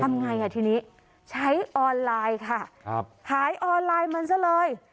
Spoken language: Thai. ทำไงอ่ะทีนี้ใช้ออนไลน์ค่ะครับขายออนไลน์มันซะเลย